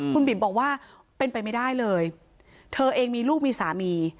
คุณบิ๋มบอกว่าเป็นไปไม่ได้เลยเธอเองมีลูกมีสามี